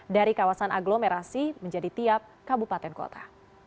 dari kawasan aglomerasi menjadi tiap kabupaten kota